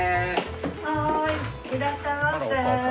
はいいらっしゃいませ。